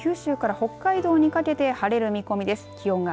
このあとも九州から北海道にかけて晴れる見込みです。